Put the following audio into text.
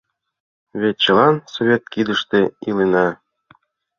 Вет чылан совет кидыште илена.